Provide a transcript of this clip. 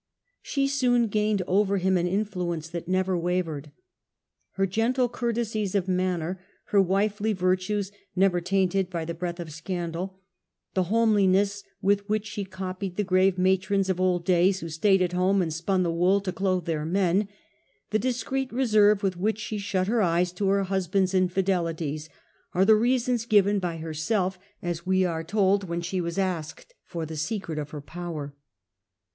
She soon gained over him Sources of an influence that never wavered. Her gentle over>Vu ^"^* courtesies of manner, her wifely virtues never gustus, tainted by the breath of scandal, the homeli ness with which she copied the grave matrons of old days who stayed at home and spun the wool to clothe their men, the discreet reserve with which she shut her eyes to her husband^s infidelities, are the reasons given by herself, as we are told, when she was asked for the secret of her power.